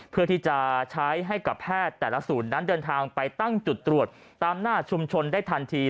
เพื่อที่จะใช้ให้กับแพทย์แต่ละศูนย์นั้นเดินทางไปตั้งจุดตรวจตามหน้าชุมชนได้ทันที